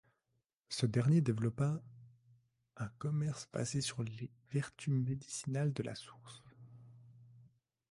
Ce dernier développa un commerce basé sur les vertus médicinales de la source.